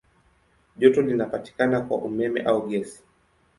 Joto linapatikana kwa umeme au gesi.